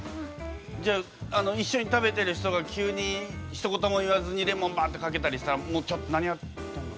じゃあ一緒に食べてる人が急にひと言も言わずにレモンばってかけたりしたらもうちょっと何やってんの。